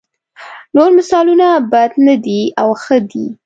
نور مثالونه بد نه دي او ښه دي.